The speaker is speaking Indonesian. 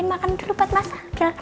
nanti makan dulu pas mas al